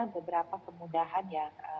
beberapa kemudahan yang